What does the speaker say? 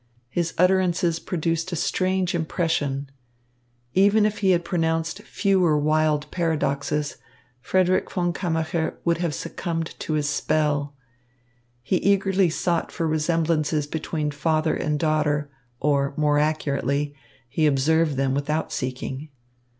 His utterances produced a strange impression. Even if he had pronounced fewer wild paradoxes, Frederick von Kammacher would have succumbed to his spell. He eagerly sought for resemblances between father and daughter, or, more accurately, he observed them without seeking.